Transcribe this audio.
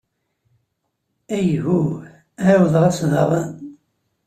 Ayhuh, ɛawdeɣ-as daɣen!